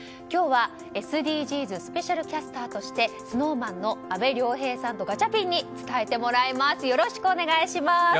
今日は、ＳＤＧｓスペシャルキャスターとしてＳｎｏｗＭａｎの阿部亮平さんとガチャピンに伝えてもらいます。